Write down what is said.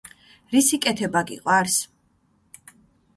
რისი კეთება გიყვარს?